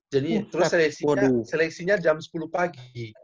jadi ya terus seleksinya seleksinya jam sepuluh pagi